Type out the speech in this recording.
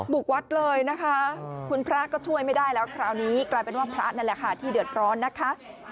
บุกวัดเลยนะคะคุณพระก็ช่วยไม่ได้แล้วคราวนี้กลายเป็นว่าพระนั่นแหละค่ะที่เดือดร้อนนะคะ